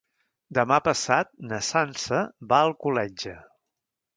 Demà passat na Sança va a Alcoletge.